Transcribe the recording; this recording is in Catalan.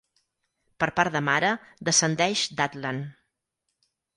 Per part de mare descendeix d'Atlant.